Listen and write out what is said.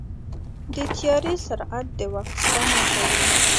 د طیارې سرعت د وخت سپما کوي.